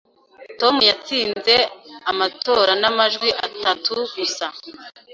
Tom yatsinze amatora n'amajwi atatu gusa